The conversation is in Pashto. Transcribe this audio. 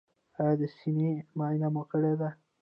ایا د سینې معاینه مو کړې ده؟